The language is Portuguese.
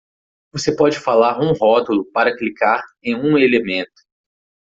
Você pode falar um rótulo para clicar em um elemento.